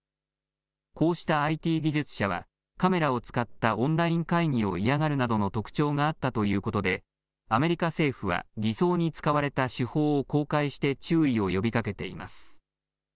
こうしたＩＴ技術者はカメラを使ったオンライン会議を嫌がるなどの特徴があったということでアメリカ政府は偽装に使われた手法を公開して注意を呼びかけています。